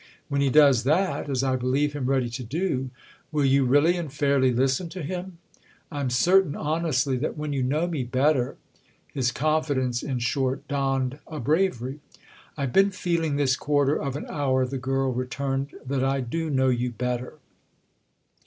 When he does that—as I believe him ready to do—will you really and fairly listen to him? I'm certain, honestly, that when you know me better—!" His confidence in short donned a bravery. "I've been feeling this quarter of an hour," the girl returned, "that I do know you better."